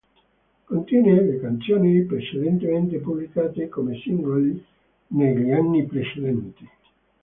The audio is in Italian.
Contiene le canzoni precedentemente pubblicate come singoli negli anni precedenti.